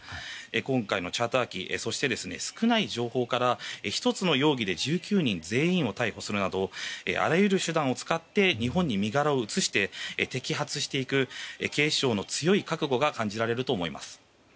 今回、チャーター機そして少ない情報から１つの容疑で１９人全員を逮捕するなどあらゆる手段を使って日本に身柄を移して摘発していく警視庁の強い覚悟が感じられると思います。